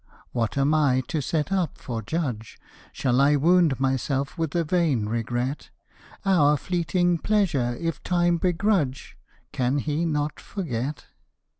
What am I to set up for Judge? Shall I wound myself With a vain regret? Our fleeting pleasure if Time begrudge Can he not forget?